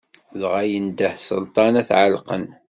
Dɣa yendeh Selṭan ad t-ɛelqen.